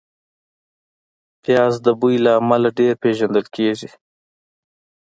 پیاز د بوی له امله ډېر پېژندل کېږي